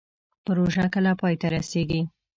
پروژه کله پای ته رسیږي؟